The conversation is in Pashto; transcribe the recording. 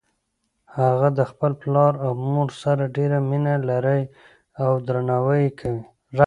هغه د خپل پلار او مور سره ډیره مینه لری او درناوی یی کوي